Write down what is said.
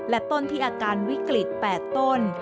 และต้นที่อาการวิกฤต๘ต้น